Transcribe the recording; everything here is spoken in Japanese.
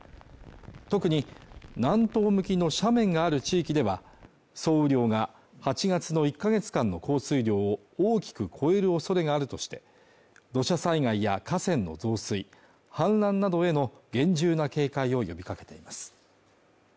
特に南東向きの斜面がある地域では総雨量が８月の１か月間の降水量を大きく超えるおそれがあるとして土砂災害や河川の増水氾濫などへの厳重な警戒を呼びかけています